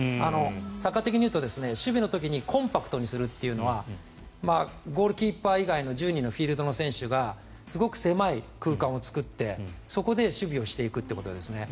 サッカー的に言うと、守備の時にコンパクトにするというのはゴールキーパー以外の１０人のフィールドの選手がすごく狭い空間を作ってそこで守備をしていくということですね。